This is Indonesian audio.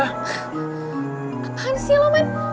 apaan sih lo men